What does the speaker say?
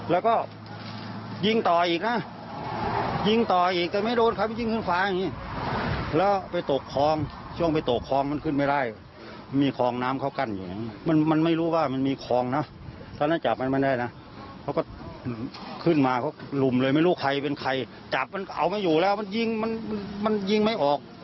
แล้วก็ขึ้นมารุมเลยไม่รู้ใครเป็นใครจับมันเอาไว้อยู่แล้วมันยิงไม่ออก